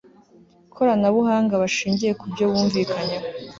koranabuhanga bashingiye ku byo bumvikanyeho